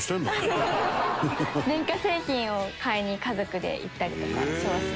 電化製品を買いに家族で行ったりとかします。